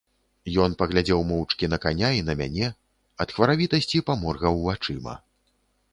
Ён паглядзеў моўчкі на каня і на мяне, ад хваравітасці паморгаў вачыма.